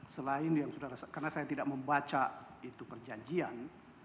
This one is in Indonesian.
selain yang sudah karena saya tidak membaca itu perjanjian